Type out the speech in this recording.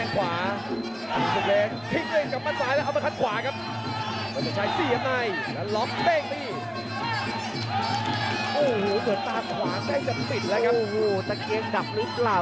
กระโดยสิ้งเล็กนี่ออกกันขาสันเหมือนกันครับ